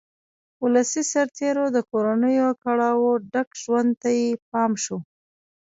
ولسي سرتېرو د کورنیو کړاوه ډک ژوند ته یې پام شو.